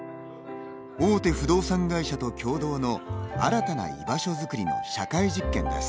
大手不動産会社と共同の新たな居場所作りの社会実験です。